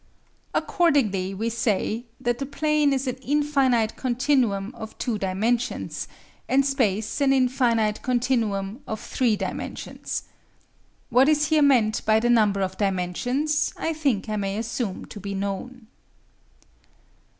Accordingly we say that the plane is an infinite continuum of two dimensions, and space an infinite continuum of three dimensions. What is here meant by the number of dimensions, I think I may assume to be known.